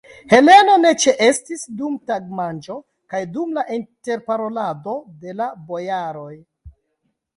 Heleno ne ĉeestis dum tagmanĝo kaj dum la interparolado de la bojaroj.